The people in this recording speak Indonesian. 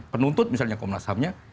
penuntut misalnya komnas hamnya